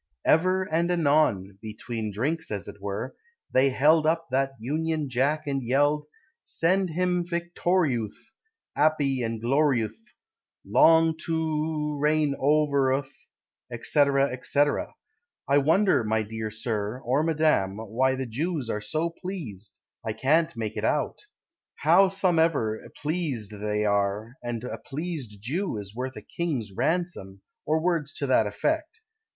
Ever and anon (Between drinks, as it were), They held up That Union Jack And yelled: "Shend him victoriouth, 'Appy and gloriouth, Long to o reign over uth, &c., &c." I wonder, my dear Sir, or Madam, Why the Jews are so pleased: I can't make it out. Howsomever, Pleased they are, And a pleased Jew Is worth a king's ransom, Or words to that effect.